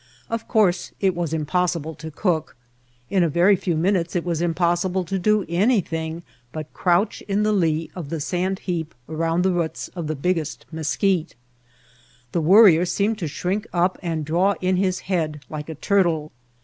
Of course it was impossible to cook; in a very few minutes it was impossible to do anything but crouch in the lea of the sand heap around the roots of the biggest mesquite. The Worrier seemed to shrink up and draw in his head like a turtle.